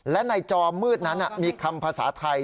และในจอมืดนั้นมีคำภาษาไทย